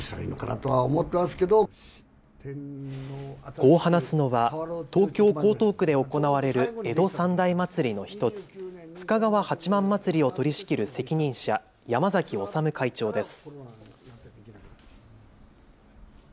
こう話すのは東京江東区で行われる江戸三大祭りの１つ、深川八幡祭りを取りしきる責任者、山崎修会長です。